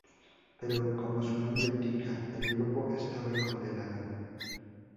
Pero, como su nombre indica, el grupo estaba condenado.